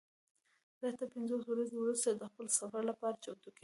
زه اته پنځوس ورځې وروسته د خپل سفر لپاره چمتو کیږم.